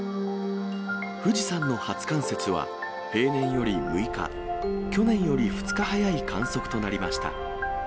富士山の初冠雪は、平年より６日、去年より２日早い観測となりました。